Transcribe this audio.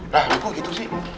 nah kok gitu sih